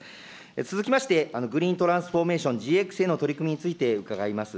続きまして、グリーントランスフォーメーション・ＧＸへの取り組みについて伺います。